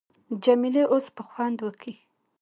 جمیلې اوس به خوند وکي.